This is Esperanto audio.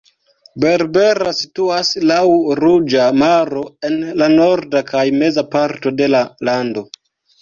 Berbera situas laŭ Ruĝa Maro en la norda kaj meza parto de la lando.